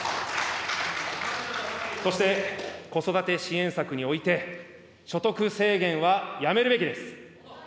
そして、子育て支援策において、所得制限はやめるべきです。